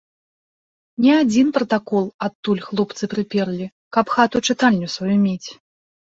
Не адзін пратакол адтуль хлопцы прыперлі, каб хату-чытальню сваю мець.